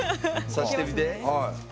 差してみて。